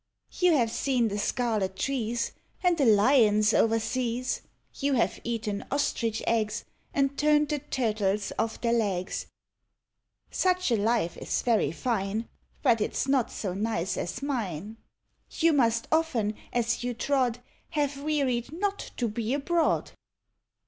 You have seen the scarlet trees And the lions over seas; You have oaten ostrich eggs. And turned the turtles otf their legs. Such a life is very fine, But it 's not so nice as mine: FOR CHILDREN. iul You must often, as you trod. Have wearied not to be abroad.